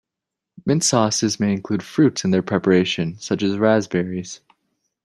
Mint sauces may include fruits in their preparation, such as raspberries.